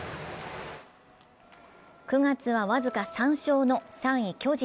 ９月は僅か３勝の３位・巨人。